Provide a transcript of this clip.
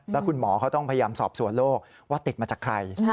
แล้วคุณหมอเขาต้องพยายามสอบสวนโรคว่าติดมาจากใคร